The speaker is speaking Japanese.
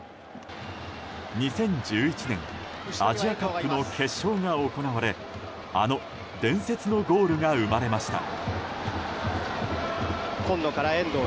２０１１年アジアカップの決勝が行われあの伝説のゴールが生まれました。